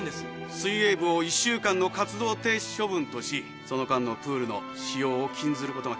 水泳部を１週間の活動停止処分としその間のプールの使用を禁ずることが決まりました。